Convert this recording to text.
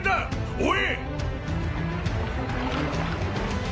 おい！